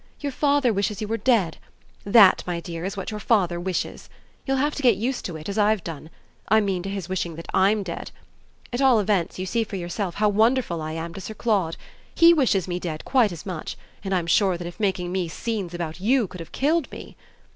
Your father wishes you were dead that, my dear, is what your father wishes. You'll have to get used to it as I've done I mean to his wishing that I'M dead. At all events you see for yourself how wonderful I am to Sir Claude. He wishes me dead quite as much; and I'm sure that if making me scenes about YOU could have killed me